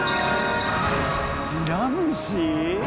ヒラムシ？